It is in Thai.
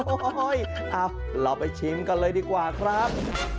โอ้โหเราไปชิมกันเลยดีกว่าครับ